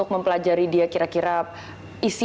dan lebih murah evacuate renting